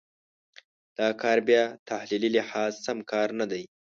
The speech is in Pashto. دا کار بیا په تحلیلي لحاظ سم کار نه دی.